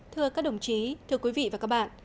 thưa các đồng chí thưa quý vị và các bạn